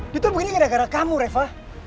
dia tuh begini gara gara kamu reva